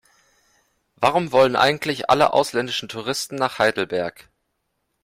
Warum wollen eigentlich alle ausländischen Touristen nach Heidelberg?